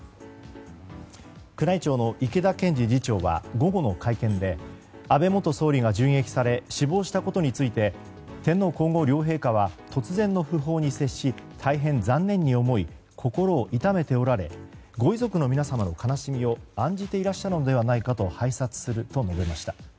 宮内庁の池田憲治次長は午後の会見で安倍元総理が銃撃され死亡したことについて天皇・皇后両陛下は突然の訃報に接し大変残念に思い心を痛めておられご遺族の皆様の悲しみを案じていらっしゃるのではないかと拝察すると述べました。